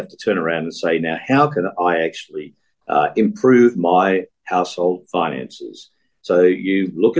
bagaimana saya bisa meningkatkan pengembangan suku bunga